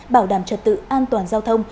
bảo đảm trật tự an toàn giao thông